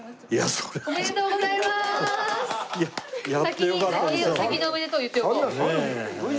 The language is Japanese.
先に先におめでとう言っておこう。